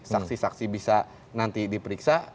saksi saksi bisa nanti diperiksa